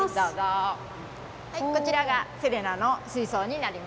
はいこちらがセレナの水槽になります。